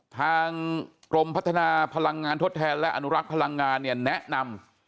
ทางกรมพัฒนาพลังงานทดแทนและอนุรักษ์พลังงานเนี่ยแนะนำ